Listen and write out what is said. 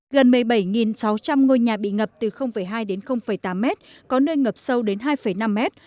gần một mươi bảy sáu trăm linh ngôi nhà bị ngập từ hai đến tám mét có nơi ngập sâu đến hai năm mét